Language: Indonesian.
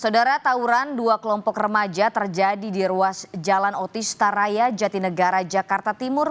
saudara tauran dua kelompok remaja terjadi di ruas jalan otista raya jatinegara jakarta timur